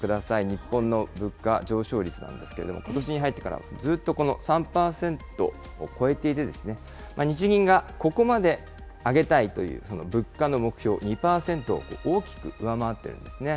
日本の物価上昇率なんですけれども、ことしに入ってからずっとこの３％を超えていて、日銀がここまで上げたいという物価の目標２％を大きく上回っていますね。